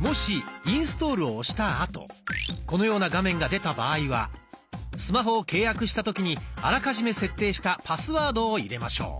もし「インストール」を押した後このような画面が出た場合はスマホを契約した時にあらかじめ設定したパスワードを入れましょう。